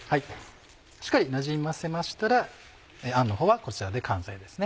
しっかりなじませましたらあんのほうはこちらで完成ですね。